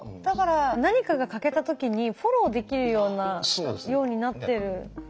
だから何かが欠けた時にフォローできるようになってる。